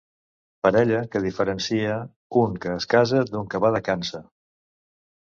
Parella que diferència un que es casa d'un que va de cança.